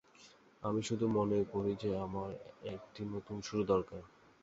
আমি শুধু মনে করি যে আমার একটি নতুন শুরু দরকার।